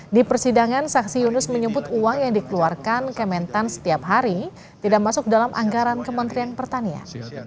di persidangan saksi yunus menyebut uang yang dikeluarkan kementan setiap hari tidak masuk dalam anggaran kementerian pertanian